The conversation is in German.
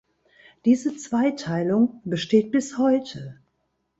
Diese Zweiteilung besteht bis heute.